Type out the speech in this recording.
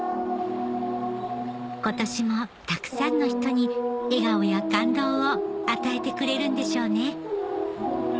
今年もたくさんの人に笑顔や感動を与えてくれるんでしょうね